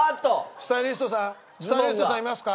スタイリストさんいますか？